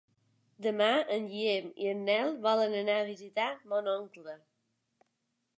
Demà en Guillem i en Nel volen anar a visitar mon oncle.